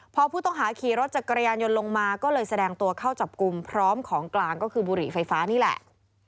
พอผู้ต้องหาขี่รถจักรยานยนต์ลงมาก็เลยแสดงตัวเข้าจับกลุ่มพร้อมของกลางก็คือบุหรี่ไฟฟ้านี่แหละ